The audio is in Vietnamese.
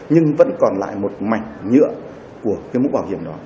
nhưng vẫn còn lạ một mảnh nhựa của mũ bảo hiểm đó